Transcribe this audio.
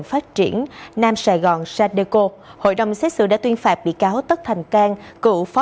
phát triển nam sài gòn sadeco hội đồng xét xử đã tuyên phạt bị cáo tất thành cang cựu phó